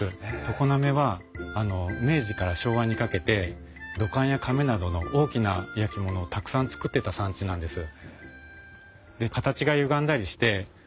常滑は明治から昭和にかけて土管やかめなどの大きな焼き物をたくさん作ってた産地なんです。